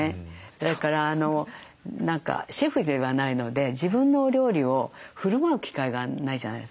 それから何かシェフではないので自分のお料理をふるまう機会がないじゃないですかね。